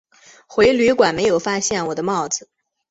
回旅馆没有发现我的帽子